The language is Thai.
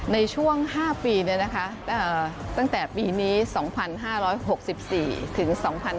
ในช่วง๕ปีตั้งแต่ปีนี้๒๕๖๔ถึง๒๕๕๙